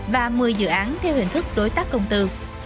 và một mươi dự án theo hình thức đối tác công tư